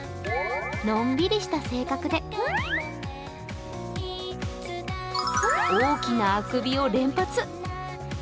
のんびりした性格で、大きなあくびを連発。